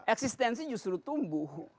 eksistensi justru tumbuh